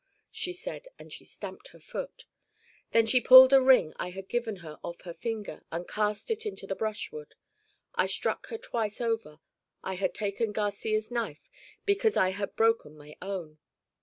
she said and she stamped her foot. Then she pulled a ring I had given her off her finger and cast it into the brushwood. I struck her twice over I had taken Garcia's knife because I had broken my own.